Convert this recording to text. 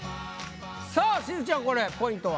さあしずちゃんこれポイントは？